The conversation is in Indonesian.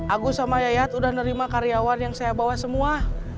agus sama yayat udah nerima karyawan yang saya bawa semua